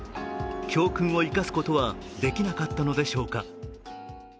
教訓を生かすことはできなかったのでしょうか。